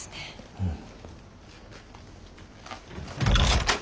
うん。